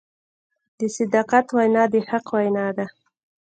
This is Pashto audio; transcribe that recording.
د صداقت وینا د حق وینا ده.